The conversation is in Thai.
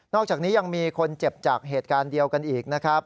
อกจากนี้ยังมีคนเจ็บจากเหตุการณ์เดียวกันอีกนะครับ